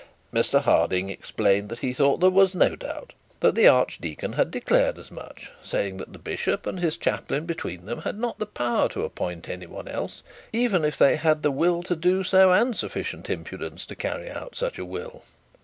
Mr Harding explained that he thought there was no doubt; that the archdeacon had declared as much, saying that the bishop and his chaplain between them had not the power to appoint any once else, even if they had the will to do so, and sufficient impudence to carry out such a will.